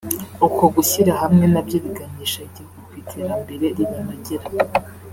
uko gushyira hamwe nabyo biganisha igihugu ku iterambere ribanogera